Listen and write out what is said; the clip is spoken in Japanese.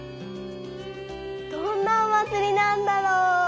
どんなお祭りなんだろう？